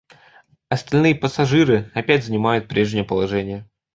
Остальные пассажиры опять занимают прежнее положение.